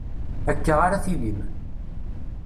Akka ara tillim.